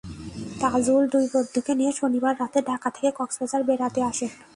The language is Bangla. তাজুল দুই বন্ধুকে নিয়ে শনিবার রাতে ঢাকা থেকে কক্সবাজার বেড়াতে আসেন।